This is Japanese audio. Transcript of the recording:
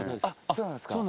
そうなんですか。